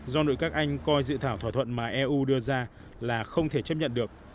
do nội các anh coi dự thảo thỏa thuận mà eu đưa ra là không thể chấp nhận được